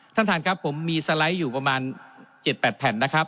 ท่านท่านครับผมมีสไลด์อยู่ประมาณ๗๘แผ่นนะครับ